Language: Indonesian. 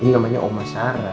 ini namanya omah sara